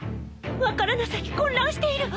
分からなさに混乱しているわ！